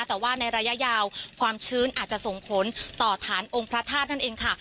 แต่ว่าในระยะยาวความชื้นอาจจะส่งผลต่อฐานองค์พระธาตุนั่นเองค่ะ